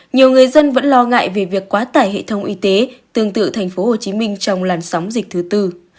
nhiều người dân vẫn lo ngại về việc quá tải hệ thống y tế tương tự thành phố hồ chí minh trong làn sóng dịch thứ tư